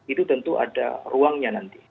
itu tentu ada ruangnya nanti